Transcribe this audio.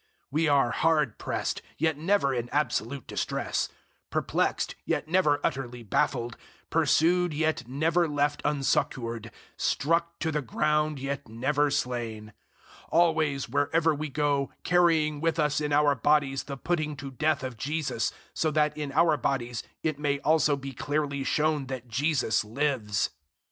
004:008 We are hard pressed, yet never in absolute distress; perplexed, yet never utterly baffled; 004:009 pursued, yet never left unsuccoured; struck to the ground, yet never slain; 004:010 always, wherever we go, carrying with us in our bodies the putting to death of Jesus, so that in our bodies it may also be clearly shown that Jesus lives.